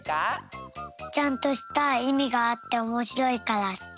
ちゃんとしたいみがあっておもしろいからすき。